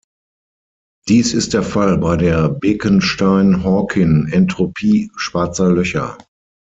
Dies ist der Fall bei der Bekenstein-Hawking-Entropie Schwarzer Löcher.